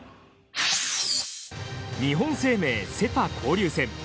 日本生命セ・パ交流戦。